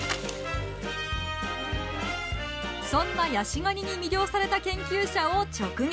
そんなヤシガニに魅了された研究者を直撃！